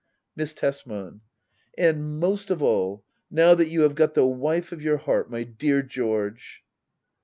Miss Tesman. And, most of all, now that you have got the wife of your heart, my dear George.